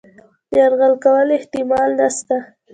یرغل کولو احتمال نسته.